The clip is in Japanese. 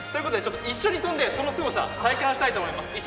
ちょっと一緒に跳んでそのすごさ体感したいと思います。